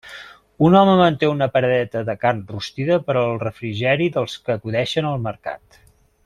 Un home manté una paradeta de carn rostida per al refrigeri dels que acudeixen al mercat.